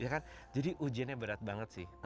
ya kan jadi ujiannya berat banget sih